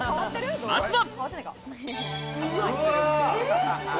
まずは。